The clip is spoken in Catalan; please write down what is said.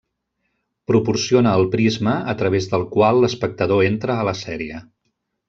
Proporciona el prisma a través del qual l'espectador entra a la sèrie.